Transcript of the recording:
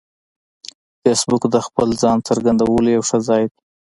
فېسبوک د خپل ځان څرګندولو یو ښه ځای دی